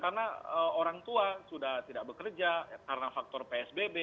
karena orang tua sudah tidak bekerja karena faktor psbb